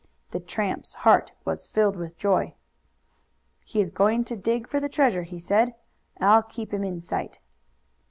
The tramp's heart was filled with joy. "He is going to dig for the treasure," he said. "I'll keep him in sight."